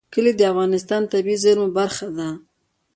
کلي د افغانستان د طبیعي زیرمو برخه ده.